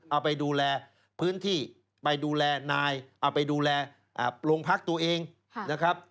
เอาไปดูแลพื้นที่ไปดูแลนายเอาไปดูแลโรงพักตัวเองนะครับ